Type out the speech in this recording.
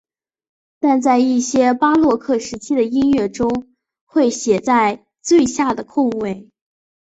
但在一些巴洛克时期的音乐中会写在最下的空位。